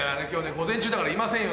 午前中だからいませんよ